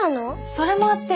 それもあって